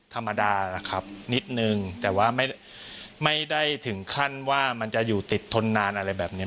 ธรรมดานะครับนิดนึงแต่ว่าไม่ได้ถึงขั้นว่ามันจะอยู่ติดทนนานอะไรแบบนี้